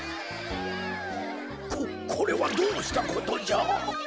ここれはどうしたことじゃ？